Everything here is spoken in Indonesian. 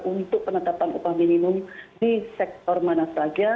untuk penetapan upah minimum di sektor mana saja